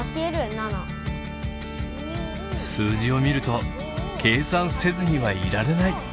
数字を見ると計算せずにはいられない！